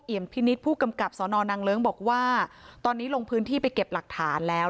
พินิษฐ์ผู้กำกับสนนางเลิ้งบอกว่าตอนนี้ลงพื้นที่ไปเก็บหลักฐานแล้ว